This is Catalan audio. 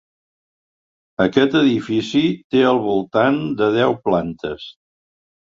Aquest edifici té al voltant de deu plantes.